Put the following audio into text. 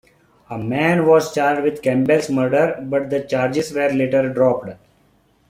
A man was charged with Campbell's murder but the charges were later dropped.